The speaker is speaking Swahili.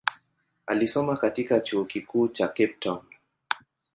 Alisoma katika chuo kikuu cha Cape Town.